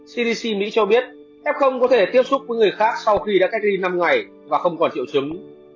cdc mỹ cho biết f có thể tiếp xúc với người khác sau khi đã cách ly năm ngày và không còn triệu chứng